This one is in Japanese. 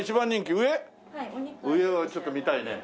上はちょっと見たいね。